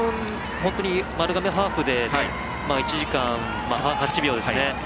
本当に丸亀ハーフで１時間８秒ですね。